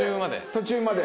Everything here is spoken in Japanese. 途中まで。